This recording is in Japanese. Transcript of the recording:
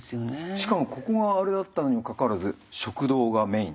しかもここがあれだったのにもかかわらず食道がメイン？